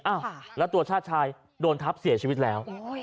อ้าวแล้วตัวชาติชายโดนทับเสียชีวิตแล้ว